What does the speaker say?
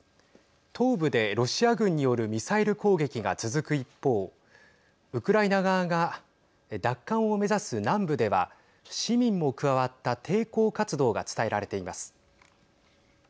東部でロシア軍によるミサイル攻撃が続く一方ウクライナ側が奪還を目指す南部では市民も加わった抵抗活動が伝えられています。